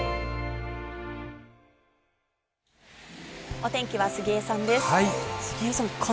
お天気は杉江さんです。